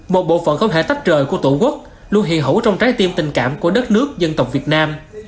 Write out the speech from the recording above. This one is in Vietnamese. một bộ phận không thể tách trời của tổ quốc luôn hiện hữu trong trái tim tình cảm của đất nước dân tộc việt nam